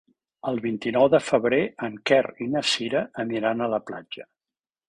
El vint-i-nou de febrer en Quer i na Cira aniran a la platja.